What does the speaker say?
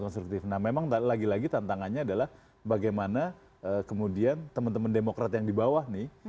nah memang lagi lagi tantangannya adalah bagaimana kemudian teman teman demokrat yang di bawah nih